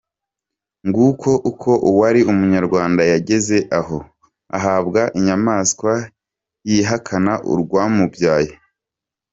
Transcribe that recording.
Nguko uko uwari Umunyarwanda yageze aho ahabwa inyamaswa yihakana urwamubyaye.